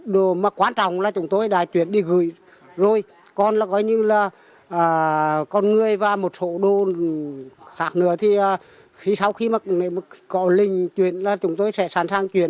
đồ mà quan trọng là chúng tôi đã chuyển đi gửi rồi còn là coi như là con người và một số đồ khác nữa thì khi sau khi mà có linh chuyển là chúng tôi sẽ sẵn sàng chuyển